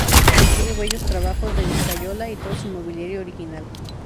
Contiene bellos trabajos de escayola y todo su mobiliario original.